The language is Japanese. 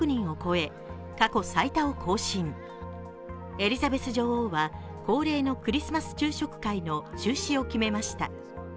エリザベス女王は恒例のクリスマス昼食会の中止を決めました。